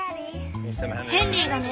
ヘンリーがね